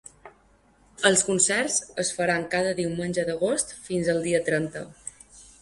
Els concerts es faran cada diumenge d’agost fins el dia trenta.